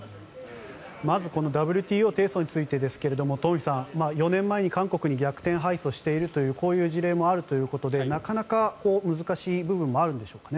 まずＷＴＯ提訴についてですが東輝さん、４年前に韓国に逆転敗訴しているというこういう事例もあるということでなかなか難しい部分もあるんでしょうか。